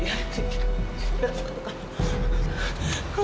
biar aku bantu kamu